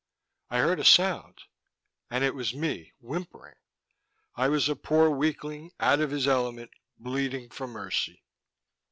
I heard a sound and it was me, whimpering. I was a poor weakling, out of his element, bleating for mercy.